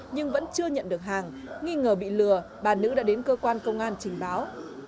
nhưng vẫn chưa nhận được hàng nghi ngờ bị lừa bà nữ đã đến cơ quan công an trình báo